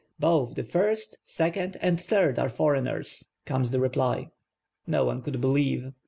"Both the first, second, and third are foreigners," comes the reply. No one could believe.